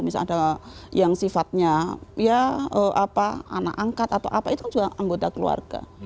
misalnya yang sifatnya ya apa anak angkat atau apa itu kan juga anggota keluarga